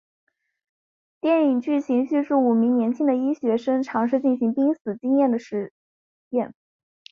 电影剧情叙述五名年轻的医学生尝试进行濒死经验的实验。